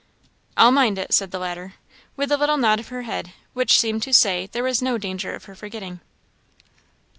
"I'll mind it," said the latter, with a little nod of her head, which seemed to say there was no danger of her forgetting.